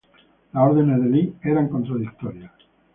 Las órdenes de Lee eran contradictorias.